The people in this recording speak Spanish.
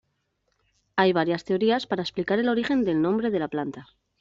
Hay varias teorías para explicar el origen del nombre de la planta.